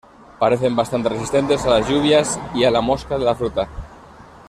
Parecen bastante resistentes a las lluvias y a la mosca de la fruta.